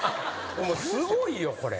すごいよこれ。